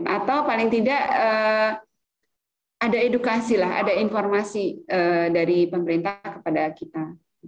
atau paling tidak ada edukasi lah ada informasi dari pemerintah kepada kita